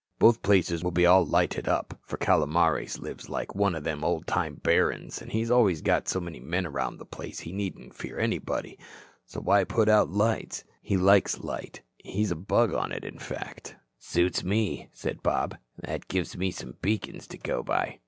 Both places will be all lighted up, for Calomares lives like one o' them old time barons an' he's always got so many men around the place he needn't fear nobody, so why put out lights? He likes light. He's a bug on it, in fact." "Suits me," said Bob. "That gives me some beacons to go by."